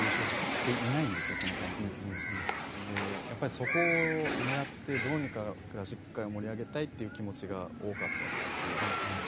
そこを狙ってどうにかクラシック界を盛り上げたいという気持ちが多かったですし